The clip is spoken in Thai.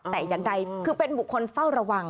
แต่อย่างใดคือเป็นบุคคลเฝ้าระวัง